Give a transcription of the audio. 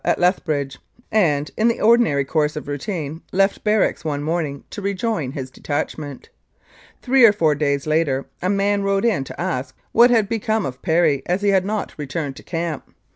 at Leth bridge and, in the ordinary course of routine, left barracks one morning to rejoin his detachment. Three or four days later a man rode in to ask what had become of Perry, as he had not returned to camp.